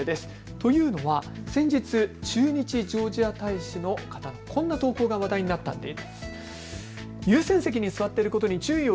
というのは先日、駐日ジョージア大使の方のこんな投稿が話題になったんです。